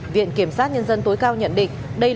viện kiểm sát nhân dân tối cao nhận định